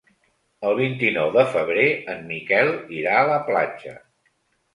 El vint-i-nou de febrer en Miquel irà a la platja.